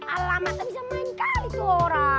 alamak gak bisa main kali suara